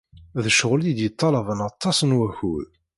D ccɣel i d-yeṭṭalaben aṭas n wakud.